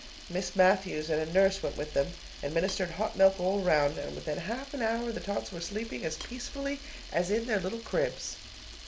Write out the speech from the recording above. Miss Matthews and a nurse went with them, administered hot milk all around, and within half an hour the tots were sleeping as peacefully as in their little cribs.